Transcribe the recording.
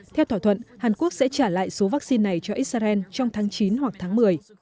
theo thỏa thuận hàn quốc sẽ trả lại số vaccine này cho israel trong tháng chín hoặc tháng một mươi